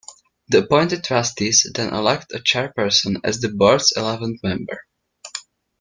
The appointed trustees then elect a chairperson as the Board's eleventh member.